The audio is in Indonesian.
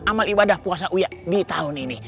amal ibadah puasa uyak di tahun ini